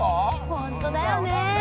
本当だよね。